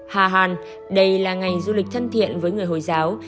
hà hàn đây là ngành du lịch thân thiện với người hồi giáo